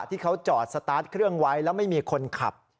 ที่เขาจอดสตาร์ทเครื่องไว้แล้วไม่มีคนขับ